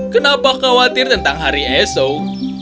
kenapa khawatir tentang hari esok